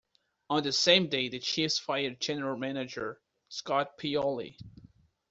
On the same day, the Chiefs fired general manager Scott Pioli.